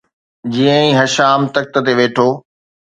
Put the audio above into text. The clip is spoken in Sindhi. جيئن ئي هشام تخت تي ويٺو